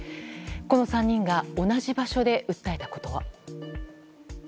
この３人が同じ場所で訴えたことは。